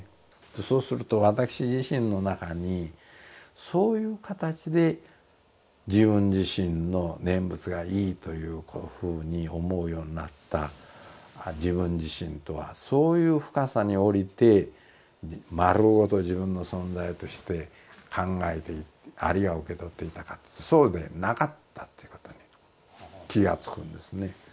そうすると私自身の中にそういう形で自分自身の念仏がいいというふうに思うようになった自分自身とはそういう深さに下りて丸ごと自分の存在として考えていってあるいは受け取っていたかというとそうでなかったということに気が付くんですね。